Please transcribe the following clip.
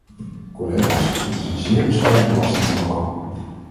Collega's, dit is een zeer bescheiden belastingverhoging.